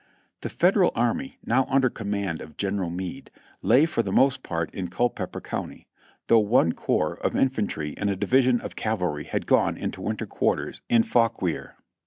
The Federal army, now under command of General Meade, lay for the most part in Culpeper County, though one corps of in fantry and a division of cavalry had gone into winter quarters in Fauquier.